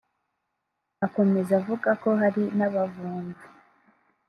Akomeza avuga ko hari n’abavumvu